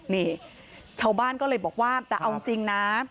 นี่ชาวบ้านก็เลยบอกว่าแต่เอาจริงนะ